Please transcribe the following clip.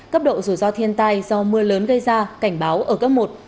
cấp độ rủi ro thiên tai do mưa lớn gây ra cảnh báo ở cấp một